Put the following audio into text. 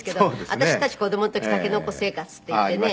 私たち子供の時竹の子生活っていってね。